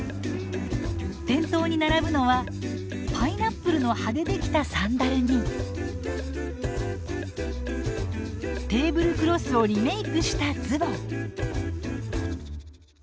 店頭に並ぶのはパイナップルの葉でできたサンダルにテーブルクロスをリメークしたズボン。